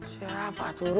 siapa tuh lur